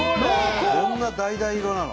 こんなだいだい色なの？